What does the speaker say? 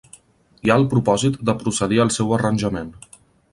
Hi ha el propòsit de procedir al seu arranjament.